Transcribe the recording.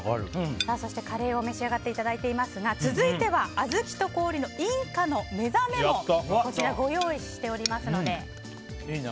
そして、カレーを召し上がっていただいていますが続いては、あずきとこおりのインカのめざめをご用意しておりますので。